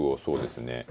そうですね